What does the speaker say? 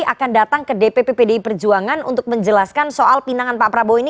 akan datang ke dpp pdi perjuangan untuk menjelaskan soal pinangan pak prabowo ini